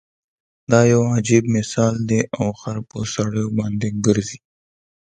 دا يو عجیب مثال دی او خر په سړیو باندې ګرځي.